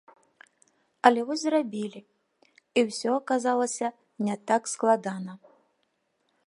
Але вось зрабілі, і ўсё аказалася не так складана.